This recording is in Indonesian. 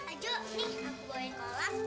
ajok nih aku bawain kolam